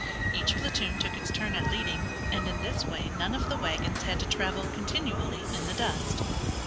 Each platoon took its turn at leading, and in this way none of the wagons had to travel continually in the dust.